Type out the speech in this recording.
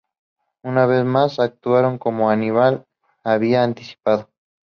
Una vez más, actuaron como Aníbal había anticipado.